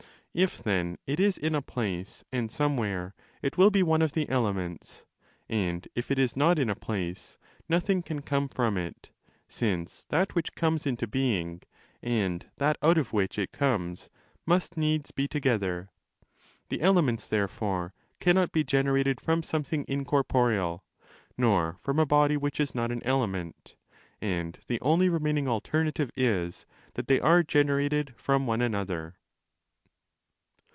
If, then, it is in a place and somewhere,' it will be one of the elements; and if it is not in a place, nothing can come from it, since that which 3° comes into being and that out of which it comes must needs be together. The elements therefore cannot be generated from something incorporeal nor from a body which is not an element, and the only remaining alternative is that they are generated from one another.